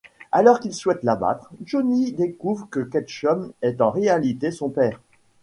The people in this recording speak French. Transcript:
Alors qu'il souhaite l'abattre, Johnny découvre que Ketchum est en réalité son père.